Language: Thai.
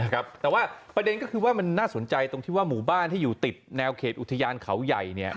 แต่ว่าประเด็นก็คือว่ามันน่าสนใจตรงที่ว่าหมู่บ้านที่อยู่ติดแนวเขตอุทยานเขาใหญ่เนี่ย